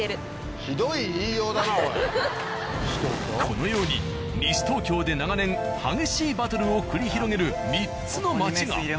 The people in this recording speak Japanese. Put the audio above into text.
このように西東京で長年激しいバトルを繰り広げる３つの街が。